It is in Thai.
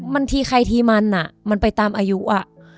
มันทีใครทีมันอ่ะมันไปตามอายุอ่ะ